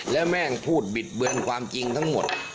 แล้วแม่งพูดบิดเบือนความจริงทั้งหมด